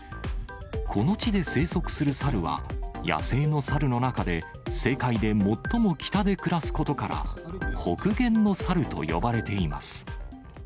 この地で生息するサルは、野生のサルの中で世界で最も北で暮らすことから、北限のサルと呼ばれています。